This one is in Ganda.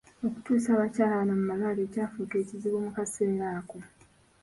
Okutuusa abakyala bano mu malwaliro kyafuuka ekizibu mu kaseera ako.